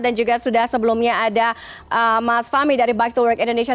dan juga sudah sebelumnya ada mas fahmi dari back to work indonesia